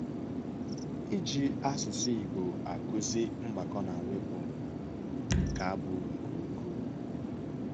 karịa imeso ha ka ha bụ ndị ọbịa.